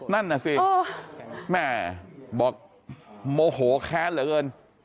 นั่นน่ะสิแม่บอกโมโหแค้นเหลือเกิน